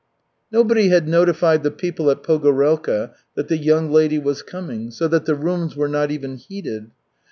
Nobody had notified the people at Pogorelka that the young lady was coming, so that the rooms were not even heated.